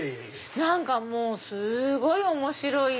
何かすごい面白い！